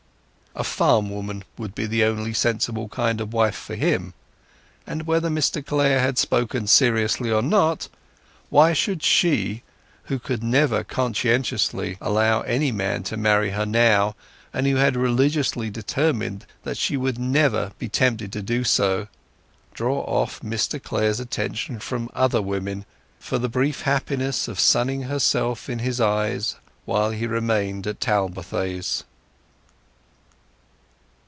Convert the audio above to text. A farm woman would be the only sensible kind of wife for him. But whether Mr Clare had spoken seriously or not, why should she, who could never conscientiously allow any man to marry her now, and who had religiously determined that she never would be tempted to do so, draw off Mr Clare's attention from other women, for the brief happiness of sunning herself in his eyes while he remained at Talbothays?